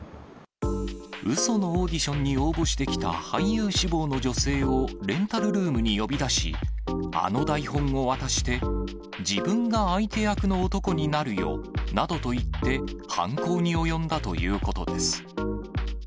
うそのオーディションに応募してきた俳優志望の女性をレンタルルームに呼び出し、あの台本を渡して、自分が相手役の男になるよなどと言って、犯行に及んだということです。